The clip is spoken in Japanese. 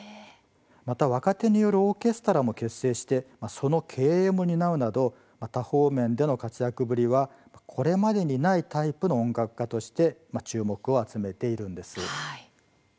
また若手によるオーケストラを結成してその経営を担うなど多方面での活躍ぶりはこれまでにないタイプの音楽家として注目を集めているんです。